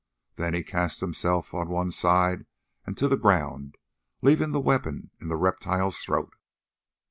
Then he cast himself on one side and to the ground, leaving the weapon in the reptile's throat.